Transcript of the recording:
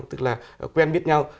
tức là quen biết nhau